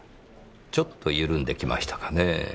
ちょっと緩んできましたかねぇ。